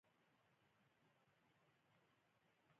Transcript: د مخالفت د څرګندولو اخلاقي اصول باید موږ جوړ کړو.